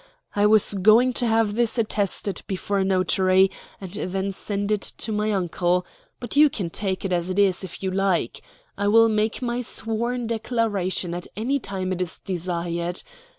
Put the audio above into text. I was going to have this attested before a notary, and then send it to my uncle; but you can take it as it is, if you like. I will make a sworn declaration at any time it is desired.